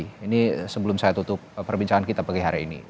ini sebelum saya tutup perbincangan kita pagi hari ini